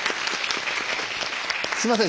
すいません